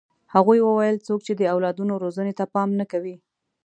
هغوی وویل څوک چې د اولادونو روزنې ته پام نه کوي.